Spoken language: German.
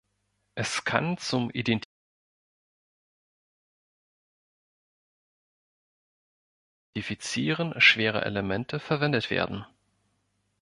Es kann zum Identifizieren schwerer Elemente verwendet werden.